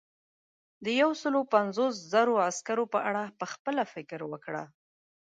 د یو سلو پنځوس زرو عسکرو په اړه پخپله فکر وکړه.